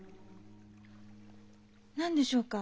何でしょうか？